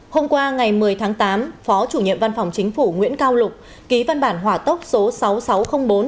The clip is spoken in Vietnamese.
hôm qua ngày một mươi tháng tám phó chủ nhiệm văn phòng chính phủ nguyễn cao lục ký văn bản hỏa tốc số sáu nghìn sáu trăm linh bốn